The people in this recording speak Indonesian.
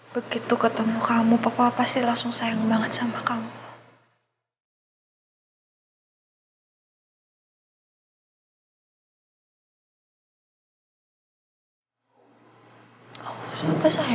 begitu ketemu kamu pokoknya pasti langsung sayang banget sama kamu